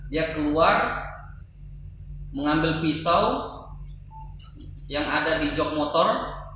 dia keluar mengambil pisau yang ada di jog motor